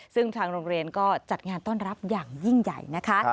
ซึ่งทางโรงเรียนก็จัดงานต้อนรับอย่างยิ่งใหญ่นะคะ